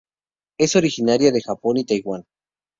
Es originaria de Japón y Taiwán.